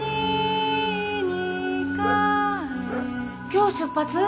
今日出発？